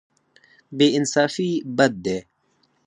بې انصافي بد دی.